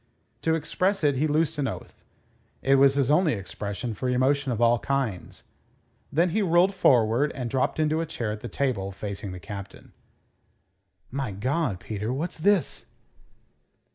To express it he loosed an oath. It was his only expression for emotion of all kinds. Then he rolled forward, and dropped into a chair at the table, facing the Captain. "My God, Peter, what's this?"